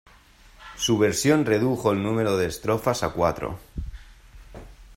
Su versión redujo el número de estrofas a cuatro.